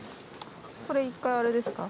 これ一回あれですか？